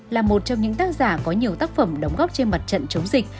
là một trong những tác giả có nhiều tác phẩm đóng góp trên mặt trận chống dịch